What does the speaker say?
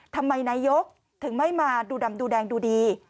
ทำไมนายกถึงไม่มาดูดำดูแดงดูดี